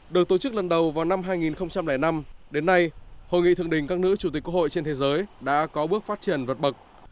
được tổ chức lần đầu vào năm hai nghìn năm đến nay hội nghị thượng đỉnh các nữ chủ tịch quốc hội trên thế giới đã có bước phát triển vượt bậc